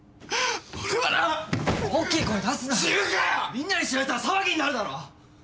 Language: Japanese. みんなに知られたら騒ぎになるだろ！